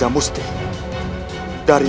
kau akan menyesal nanti